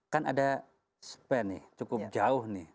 kan ada span cukup jauh nih